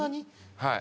はい。